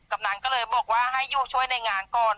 ำนันก็เลยบอกว่าให้อยู่ช่วยในงานก่อน